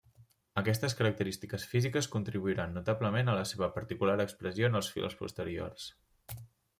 Aquestes característiques físiques contribuiran notablement a la seva particular expressió en els seus films posteriors.